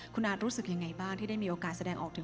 คุณอาร์ตรู้สึกยังไงบ้างที่ได้มีโอกาสแสดงออกถึง